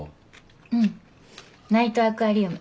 うんナイトアクアリウム。